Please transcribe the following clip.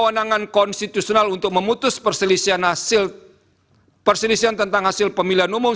dan kewenangan konstitusional untuk memutus perselisian tentang hasil pemilihan umum